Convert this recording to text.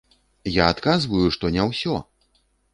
Я адказваю, што не ўсё!